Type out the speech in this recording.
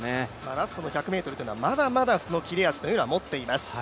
ラスト１００ｍというのはまだまだ切れ味を持っています。